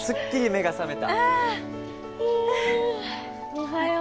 おはよう。